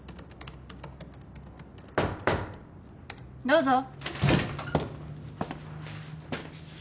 ・どうぞ。